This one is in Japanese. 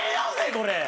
これ。